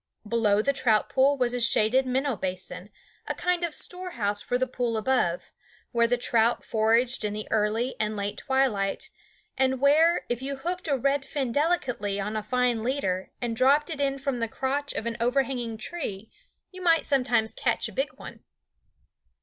Below the trout pool was a shaded minnow basin, a kind of storehouse for the pool above, where the trout foraged in the early and late twilight, and where, if you hooked a red fin delicately on a fine leader and dropped it in from the crotch of an overhanging tree, you might sometimes catch a big one.